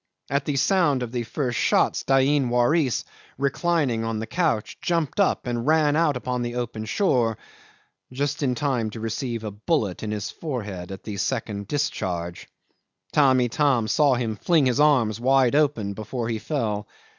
At the sound of the first shots Dain Waris, reclining on the couch, jumped up and ran out upon the open shore, just in time to receive a bullet in his forehead at the second discharge. Tamb' Itam saw him fling his arms wide open before he fell.